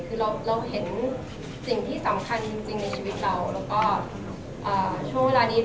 คือเราเห็นสิ่งที่สำคัญจริงในชีวิตเราแล้วก็ช่วงเวลานี้